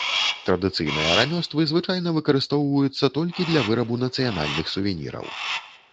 Традыцыйныя рамёствы звычайна выкарыстоўваюцца толькі для вырабу нацыянальных сувеніраў.